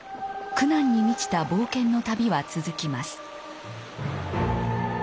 苦難に満ちた冒険の旅は続きます。